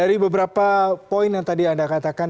dari beberapa poin yang tadi anda katakan